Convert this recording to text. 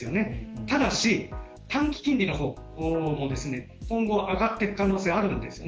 ただし、短期金利の方も今後、上がっていく可能性があるんですね。